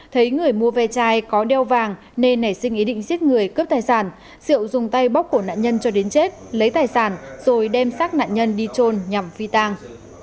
thấy người mua ve chai có đeo vàng nên nảy sinh ý định giết người cướp tài sản diệu dùng tay bóc của nạn nhân cho đến chết lấy tài sản rồi đem xác nạn nhân đi trôn nhằm phi tang